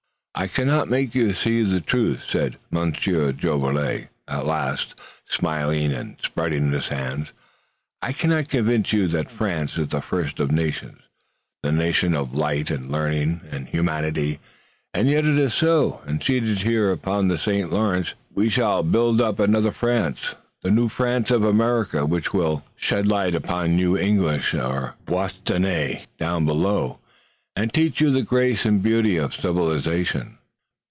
"I cannot make you see the truth," said Monsieur Jolivet, at last, smiling and spreading his hands. "I cannot convince you that France is the first of nations, the nation of light and learning and humanity, and yet it is so. And seated here upon the St. Lawrence we shall build up another France, the New France of America, which will shed light upon you English or Bostonnais down below, and teach you the grace and beauty of civilization."